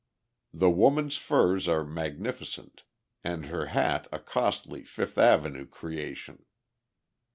The woman's furs are magnificent, and her hat a costly Fifth avenue creation.